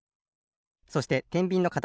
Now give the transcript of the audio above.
そしててんびんのかた